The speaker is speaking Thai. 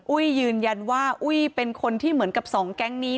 อุ้ยยืนยันว่าอุ้ยเป็นคนที่เหมือนกับสองแก๊งนี้